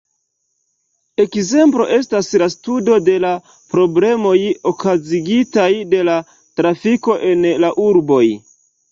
Ekzemplo estas la studo de la problemoj okazigitaj de la trafiko en la urboj.